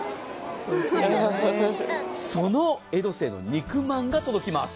その江戸清の肉まんが届きます。